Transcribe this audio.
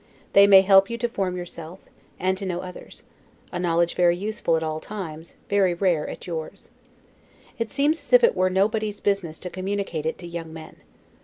They may help you to form yourself, and to know others; a knowledge very useful at all ages, very rare at yours. It seems as if it were nobody's business to communicate it to young men.